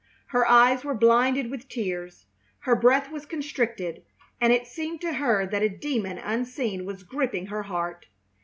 Her eyes were blinded with tears, her breath was constricted, and it seemed to her that a demon unseen was gripping her heart.